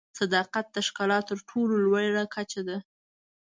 صداقت د ښکلا تر ټولو لوړه کچه ده.